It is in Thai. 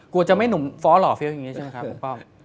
จะไม่หนุ่มฟ้อหล่อเฟี้ยวอย่างนี้ใช่ไหมครับถูกต้อง